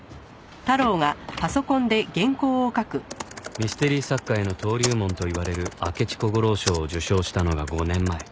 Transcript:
ミステリ作家への登竜門といわれる明智小五郎賞を受賞したのが５年前